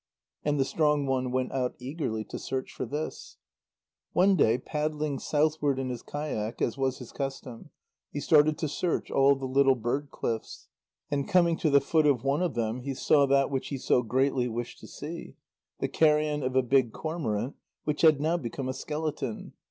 And the strong one went out eagerly to search for this. One day, paddling southward in his kayak, as was his custom, he started to search all the little bird cliffs. And coming to the foot of one of them, he saw that which he so greatly wished to see; the carrion of a big cormorant, which had now become a skeleton.